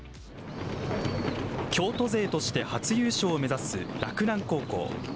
京都勢として初優勝を目指す洛南高校。